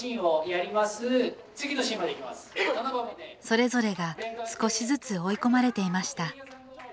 それぞれが少しずつ追い込まれていました